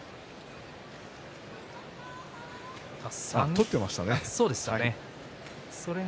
取っていましたね。